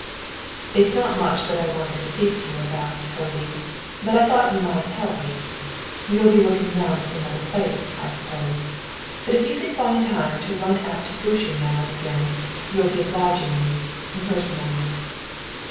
"It's not much that I wanted to speak to you about, Povey, but I thought you might help me. You'll be looking round for another place, I suppose, but if you can find time to run out to Bushey now and again, you'll be obliging me personally."